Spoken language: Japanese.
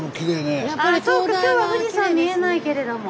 今日は富士山見えないけれども。